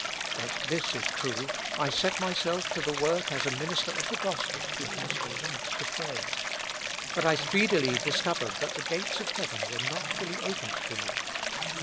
But this is true, I set myself to the work as a minister of the gospel, who has a right to pray. But I speedily discovered that the gates of heaven were not fully opened to me.